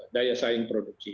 daya saing produksi